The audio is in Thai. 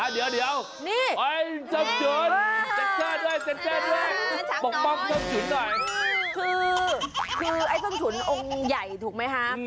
เดี๋ยวส้มฉุนเจ็ดเจ้าด้วยเจ็ดเจ้าด้วยปกป้องส้มฉุนหน่อยคือไอ้ส้มฉุนองค์ใหญ่ถูกไหมฮะ